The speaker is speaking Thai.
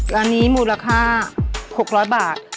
แล้วอันนี้มูลค่า๖๐๐บาท